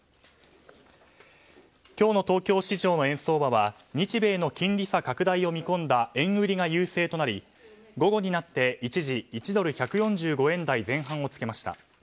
今日の東京市場の円相場は日米の金利差拡大を見込んだ円売りが優勢となり午後になって一時、１ドル＝１４５円台前半をつけました。